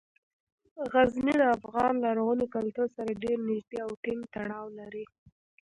غزني د افغان لرغوني کلتور سره ډیر نږدې او ټینګ تړاو لري.